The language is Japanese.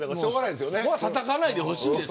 たたかないでほしいです。